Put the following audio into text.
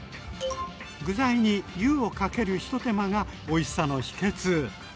具材に湯をかける一手間がおいしさの秘けつ。